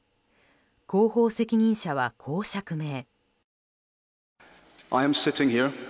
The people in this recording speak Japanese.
広報責任者はこう釈明。